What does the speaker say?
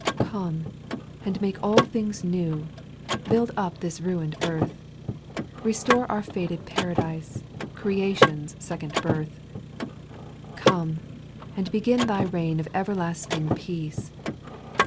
7. Come, and make all things new, Build up this ruin'd earth, Kestore our faded Paradise, Creation's second birth. 8. Come, and begin Thy reign Of everlasting peace.